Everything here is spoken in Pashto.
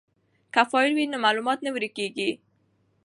که فایل وي نو معلومات نه ورکیږي.